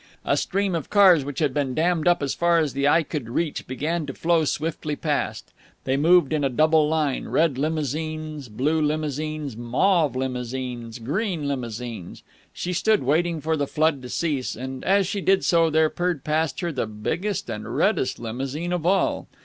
A stream of cars which had been dammed up as far as the eye could reach began to flow swiftly past. They moved in a double line, red limousines, blue limousines, mauve limousines, green limousines. She stood waiting for the flood to cease, and, as she did so, there purred past her the biggest and reddest limousine of all.